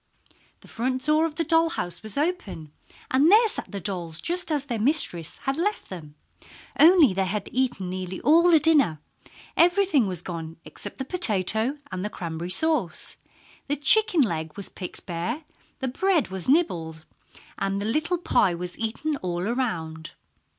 The front door of the doll house was open, and there sat the dolls just as their little mistress had left them only they had eaten nearly all the dinner! Everything was gone except the potato and the cranberry sauce. The chicken leg was picked bare, the bread was nibbled, and the little pie was eaten all around.